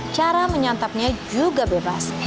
cara menyantapnya juga bebas